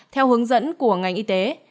theo hướng dẫn của ngành y tế